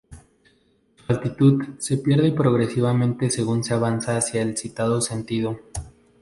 Su altitud se pierde progresivamente según se avanza hacia el citado sentido.